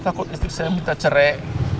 takut istri saya minta cerai